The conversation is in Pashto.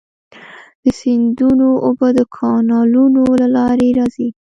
د سیندونو اوبه د کانالونو له لارې راځي.